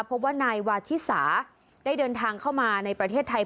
พบว่านายวาชิสาได้เดินทางเข้ามาในประเทศไทย